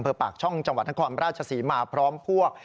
อัมเภอปากช่องจังหวัดทั้งความประราชสีมาพร้อมพวก